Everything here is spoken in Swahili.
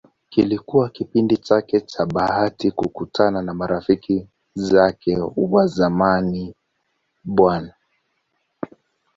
Kilikuwa kipindi chake cha bahati kukutana na marafiki zake wa zamani Bw.